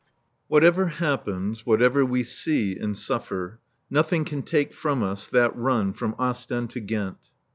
Whatever happens, whatever we see and suffer, nothing can take from us that run from Ostend to Ghent.